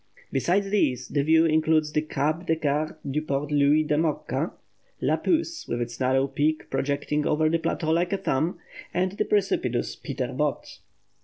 Besides these, the view includes the Caps de Garde du Port Louis de Mocca, Le Pouce, with its narrow peak projecting over the plateau like a thumb, and the precipitous Peter Botte.